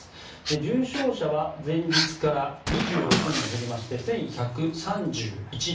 重症者は前日から２６人減りまして１１３１人。